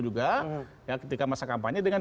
juga ya ketika masa kampanye dengan